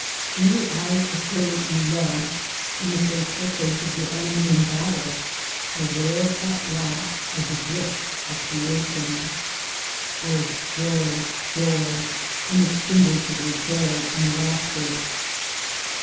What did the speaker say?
In the eyes of her you love, in the faithful face of your enemy in battle, aware at last of the drift of Creation ! O joy ! joy ! inextinguishable joy and laughter